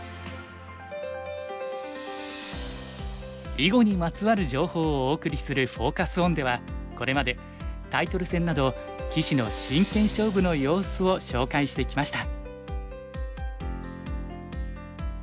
囲碁にまつわる情報をお送りするフォーカス・オンではこれまでタイトル戦など棋士の真剣勝負の様子を紹介してきました。